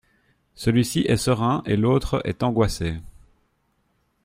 Celui-ci est serein et l’autre est angoissée.